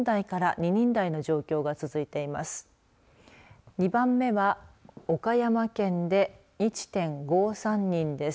２番目は岡山県で１．５３人です。